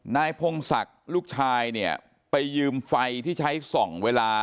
นายพงศักดิ์ลูกชายเนี่ยไปยืมไฟที่ใช้ส่องเวลา